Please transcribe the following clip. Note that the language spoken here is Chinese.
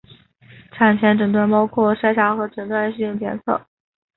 产前诊断包括筛查和诊断性检测。